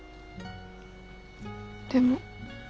でも。